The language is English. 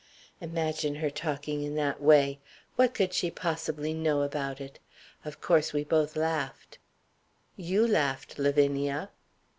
Imagine her talking in that way! What could she possibly know about it? Of course we both laughed " "you laughed, Lavinia."